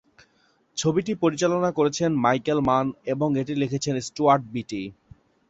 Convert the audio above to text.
ছবিটি পরিচালনা করেছেন মাইকেল মান, এবং এটি লিখেছেন স্টুয়ার্ট বিটি।